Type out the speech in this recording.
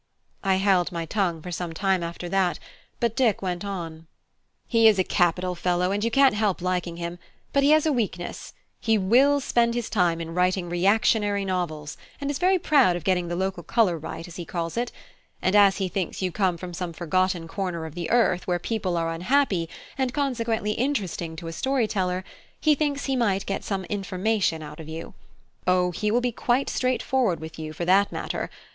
I held my tongue for some time after that; but Dick went on: "He is a capital fellow, and you can't help liking him; but he has a weakness: he will spend his time in writing reactionary novels, and is very proud of getting the local colour right, as he calls it; and as he thinks you come from some forgotten corner of the earth, where people are unhappy, and consequently interesting to a story teller, he thinks he might get some information out of you. O, he will be quite straightforward with you, for that matter.